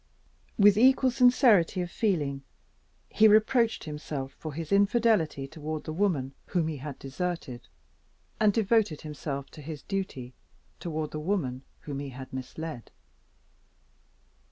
With equal sincerity of feeling, he reproached himself for his infidelity toward the woman whom he had deserted, and devoted himself to his duty toward the woman whom he had misled.